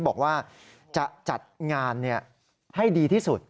บอกว่าจะจัดงานให้ดีที่สุด